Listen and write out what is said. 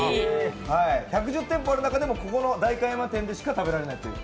１１０店舗ある中でもここの代官山店でしか食べられないという。